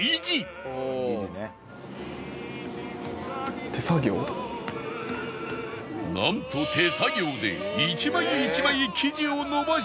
なんと手作業で一枚一枚生地を延ばしている